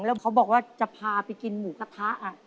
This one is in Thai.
แล้วเขาบอกว่าจะพาไปกินหมูกระทะ